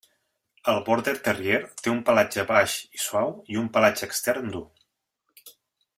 El Border terrier té un pelatge baix i suau i un pelatge extern dur.